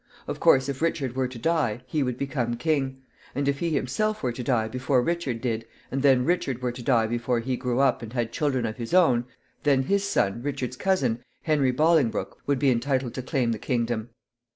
Of course, if Richard were to die, he would become king; and if he himself were to die before Richard did, and then Richard were to die before he grew up and had children of his own, then his son, Richard's cousin, Henry Bolingbroke, would be entitled to claim the kingdom.